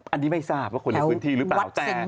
อันนี้ไม่ทราบว่าคนในพื้นที่หรือเปล่า